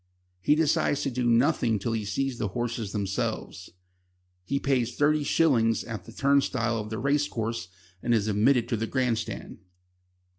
He decides to do nothing till he sees the horses themselves. He pays thirty shillings at the turnstile of the race course and is admitted to the grand stand.